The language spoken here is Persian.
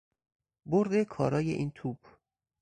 برد کارای این توپ